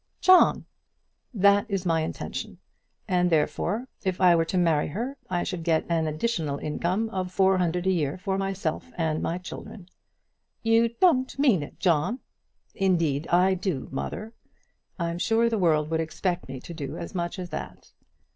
"John!" "That is my intention; and therefore if I were to marry her I should get an additional income of four hundred a year for myself and my children." "You don't mean it, John?" "Indeed I do, mother. I'm sure the world would expect me to do as much as that."